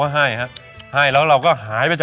ฉันว่าหล่อสุดเหล้าช่างนั้นน่ะ